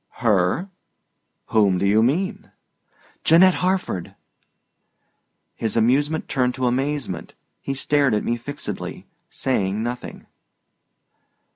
"Her? Whom do you mean?" "Janette Harford." His amusement turned to amazement; he stared at me fixedly, saying nothing.